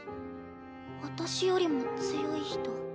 私よりも強い人。